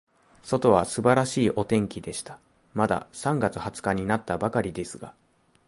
外は素晴らしいお天気でした。まだ三月二十日になったばかりですが、